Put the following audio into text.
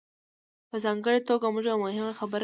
په ځانګړې توګه موږ یوه مهمه خبره کوو.